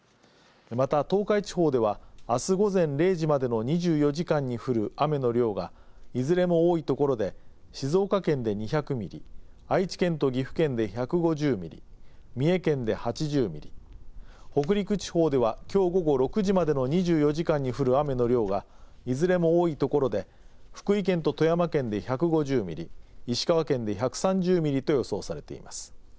また、東海地方ではあす午前０時までの２４時間に降る雨の量がいずれも多い所で静岡県で２００ミリ愛知県と岐阜県で１５０ミリ三重県で８０ミリ北陸地方ではきょう午後６時までの２４時間に降る雨の量がいずれも多い所で福井県と富山県で１５０ミリ石川県で１３０ミリと予想されています。